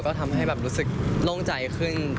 ก็ทำให้แบบรู้สึกโล่งใจขึ้น